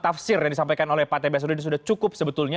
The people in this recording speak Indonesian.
atau penerimaan tafsir yang disampaikan oleh pak tbs sudah cukup sebetulnya